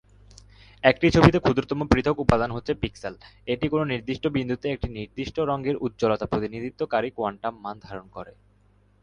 একটি ছবিতে ক্ষুদ্রতম পৃথক উপাদান হচ্ছে পিক্সেল, এইটি কোনো নির্দিষ্ট বিন্দুতে একটি নির্দিষ্ট রঙের উজ্জ্বলতা প্রতিনিধিত্বকারী কোয়ান্টাম মান ধারণ করে।